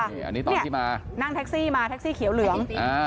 อันนี้ตอนที่มานั่งแท็กซี่มาแท็กซี่เขียวเหลือง